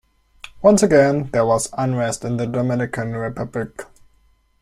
Once again there was unrest in the Dominican Republic.